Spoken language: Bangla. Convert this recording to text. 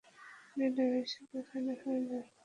মেডাম এসব এখানে হয় না।